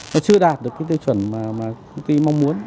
nó chưa đạt được cái tiêu chuẩn mà công ty mong muốn